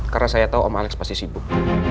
karena saya tahu om alex pasti sibuk